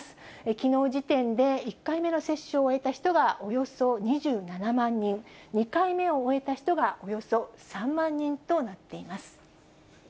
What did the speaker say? きのう時点で１回目の接種を終えた人はおよそ２７万人、２回目を終えた人がおよそ３万人となっています。